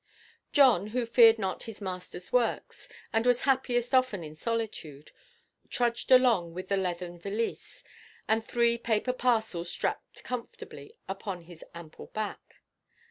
John, who feared not his Masterʼs works, and was happiest often in solitude, trudged along with the leathern valise, and three paper parcels strapped comfortably upon his ample back.